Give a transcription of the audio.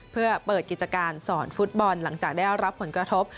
เพื่อเปิดกิจการสอนฟุตบอลหลังจากได้รับผลกระทบ